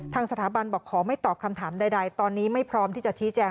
สถาบันบอกขอไม่ตอบคำถามใดตอนนี้ไม่พร้อมที่จะชี้แจง